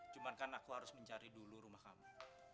cuman kan aku harus mencari dulu rumah kamu